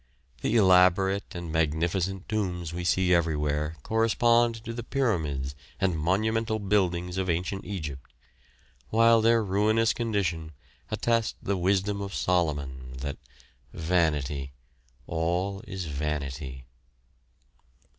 The elaborate and magnificent tombs we see everywhere correspond to the pyramids and monumental buildings of ancient Egypt; while their ruinous condition attest the wisdom of Solomon, that "Vanity of vanity, all is vanity."